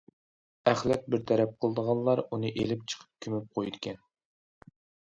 ئەخلەت بىر تەرەپ قىلىدىغانلار ئۇنى ئېلىپ چىقىپ كۆمۈپ قويىدىكەن.